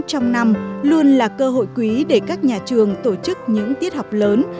trong năm luôn là cơ hội quý để các nhà trường tổ chức những tiết học lớn